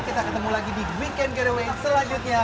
kita ketemu lagi di weekend getaway selanjutnya